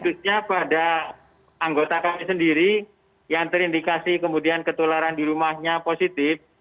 khususnya pada anggota kami sendiri yang terindikasi kemudian ketularan di rumahnya positif